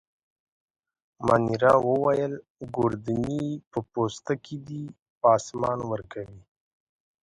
مانیرا وویل: ګوردیني په پوسته کي دی، پاسمان ورکوي.